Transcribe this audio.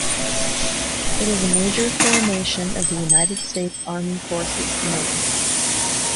It is a major formation of the United States Army Forces Command.